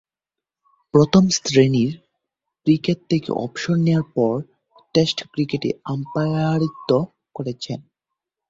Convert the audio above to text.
প্রথম-শ্রেণীর ক্রিকেট থেকে অবসর নেয়ার পর টেস্ট ক্রিকেটে আম্পায়ারিত্ব করেছেন।